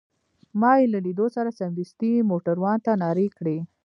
ما يې له لیدو سره سمدستي موټروان ته نارې کړې.